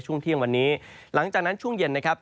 ก็จะมีการแผ่ลงมาแตะบ้างนะครับ